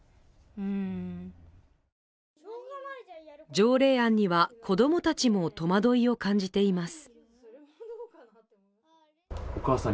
条例案には、子供たちも戸惑いを感じています。